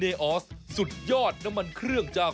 จากฝนศัตริย์น้ำมันอันดับหนึ่งในญี่ปุ่น